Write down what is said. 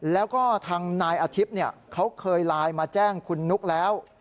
แล้วก็ทางนายอาทิตย์เขาเคยไลน์มาแจ้งคุณนุ๊กแล้ว